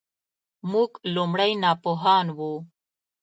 موږ لومړی ناپوهان وو .